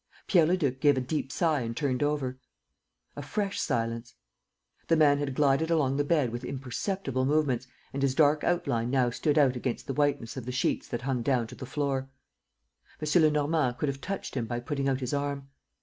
Pierre Leduc gave a deep sigh and turned over. A fresh silence. ... The man had glided along the bed with imperceptible movements and his dark outline now stood out against the whiteness of the sheets that hung down to the floor. M. Lenormand could have touched him by putting out his arm.